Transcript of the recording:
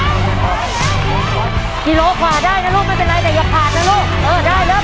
กิโลกว่าได้นะลูกไม่เป็นไรแต่อย่าขาดนะลูกเออได้แล้ว